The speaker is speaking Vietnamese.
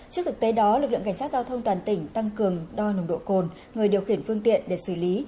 trước thực tế đó lực lượng cảnh sát giao thông toàn tỉnh tăng cường đo nồng độ cồn người điều khiển phương tiện để xử lý